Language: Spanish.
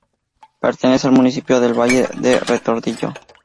Pertenece al municipio de Valle del Retortillo.